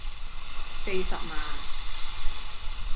四十萬